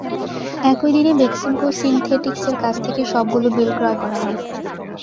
একই দিনে বেক্সিমকো সিনথেটিক্সের কাছ থেকে সবগুলো বিল ক্রয় করা হয়।